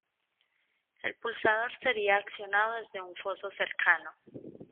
El pulsador sería accionado desde un foso cercano.